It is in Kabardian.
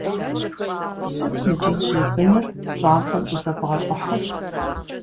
Сыт мы джэджьей быныр пщӀантӀэм щӀыдэбгъэлӀыхьыр?